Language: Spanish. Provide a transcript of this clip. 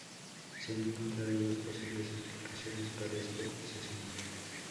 Se han encontrado dos posibles explicaciones para este asesinato.